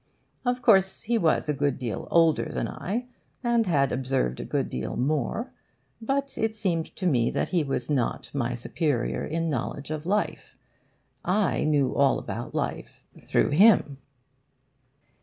Of course he was a good deal older than I, and had observed a good deal more. But it seemed to me that he was not my superior in knowledge of life. I knew all about life through him.